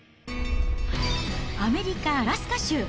アメリカ・アラスカ州。